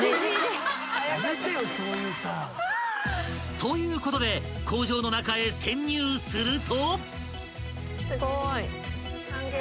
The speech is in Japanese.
［ということで工場の中へ潜入すると］